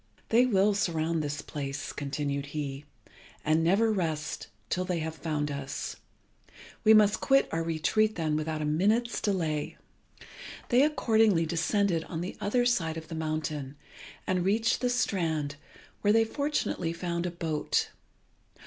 "They will surround this place," continued he, "and never rest till they have found us. We must quit our retreat then without a minute's delay." They accordingly descended on the other side of the mountain, and reached the strand, where they fortunately found a boat.